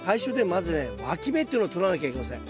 まずねわき芽っていうのを取らなきゃいけません。